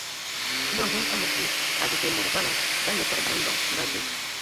Ndɔ hm, amos di, a azu kə ai mod vala, ban nye təgə daŋ mbəŋ ngə abe.